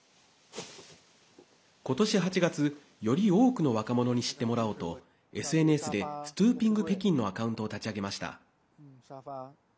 今年８月、より多くの若者に知ってもらおうとＳＮＳでストゥーピング北京のアカウントを立ち上げました。